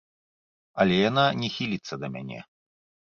Але яна не хіліцца да мяне.